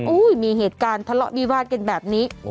มีเหตุการณ์ทะเลาะวิวาดกันแบบนี้